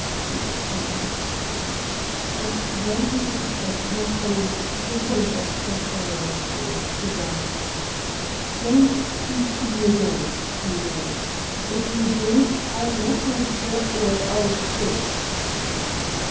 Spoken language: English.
she exclaimed. As though in answer to her thought, the voice of Prothero called to them. "Don't speak to me again," he warned. "If you do, I'll not answer, or I'll shoot!"